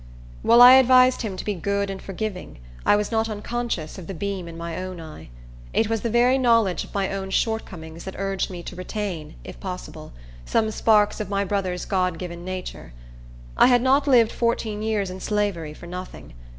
While I advised him to be good and forgiving I was not unconscious of the beam in my own eye. It was the very knowledge of my own shortcomings that urged me to retain, if possible, some sparks of my brother's God given nature. I had not lived fourteen years in slavery for nothing.